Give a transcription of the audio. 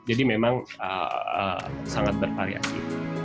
jadi memang sangat bervariasi